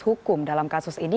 hukum dalam kasus ini